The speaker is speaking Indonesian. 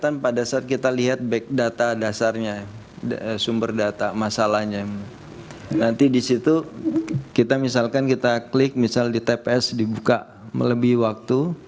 nanti disitu kita misalkan kita klik misal di tps dibuka melebihi waktu